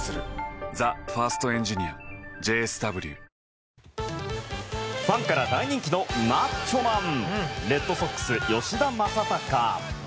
お申込みはファンから大人気のマッチョマンレッドソックス、吉田正尚。